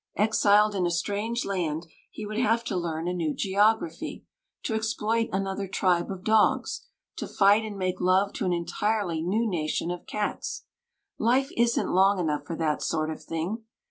Exiled in a strange land, he would have to learn a new geography, to exploit another tribe of dogs, to fight and make love to an entirely new nation of cats. Life isn't long enough for that sort of thing.